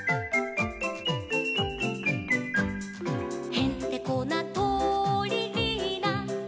「へんてこなとりリーナ」